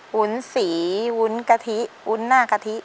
วุ้นสีวุ้นกะทิวุ้นหน้ากะทิ